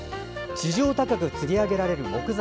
地上高くつり上げられる木材。